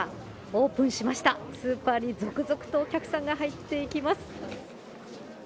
オープンしました、スーパーに続々とお客さんが入っていきます。